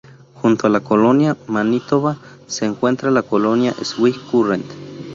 Junto a la Colonia Manitoba, se encuentra la Colonia Swift Current.